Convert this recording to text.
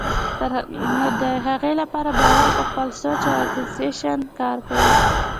نو د هغې له پاره به اول پۀ خپل سوچ او اېکزیکيوشن کار کوي